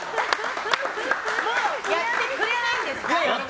もうやってくれないんですか？